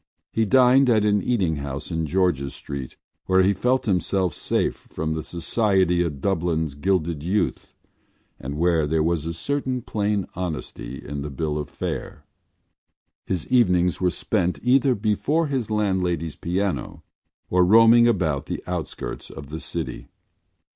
He dined in an eating house in George’s Street where he felt himself safe from the society of Dublin’s gilded youth and where there was a certain plain honesty in the bill of fare. His evenings were spent either before his landlady’s piano or roaming about the outskirts of the city.